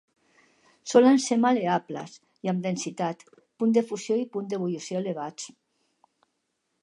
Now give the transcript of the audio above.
Solen ser mal·leables, i amb densitat, punt de fusió i punt d'ebullició elevats.